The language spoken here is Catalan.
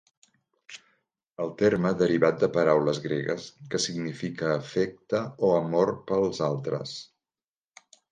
El terme derivat de paraules gregues que significa "afecte o amor pels altres".